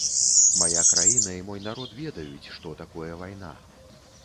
Мая краіна і мой народ ведаюць, што такое вайна.